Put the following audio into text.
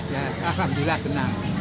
ya alhamdulillah senang